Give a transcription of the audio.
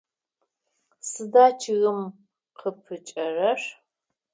Сыда чъыгым къыпыкӏэрэр?